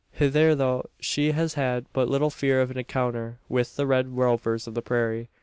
Hitherto she has had but little fear of an encounter with the red rovers of the prairie.